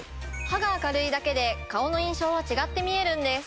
歯が明るいだけで顔の印象は違って見えるんです。